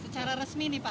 secara resmi nih pak